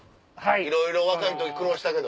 いろいろ若い時苦労したけど。